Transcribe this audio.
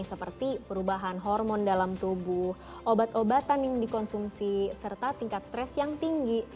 seperti perubahan hormon dalam tubuh obat obatan yang dikonsumsi serta tingkat stres yang tinggi